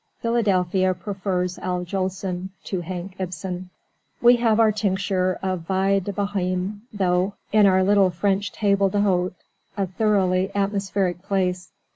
Philadelphia prefers Al Jolson to Hank Ibsen. We have our tincture of vie de Bohème, though, in our little French table d'hôte, a thoroughly atmospheric place.